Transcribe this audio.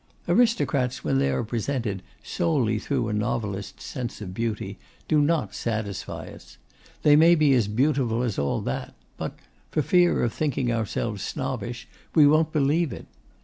Aristocrats, when they are presented solely through a novelist's sense of beauty, do not satisfy us. They may be as beautiful as all that, but, for fear of thinking ourselves snobbish, we won't believe it.